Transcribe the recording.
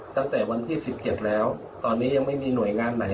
ตั้งแต่วันที่๑๗แล้วตอนนี้ยังไม่มีหน่วยงานไหน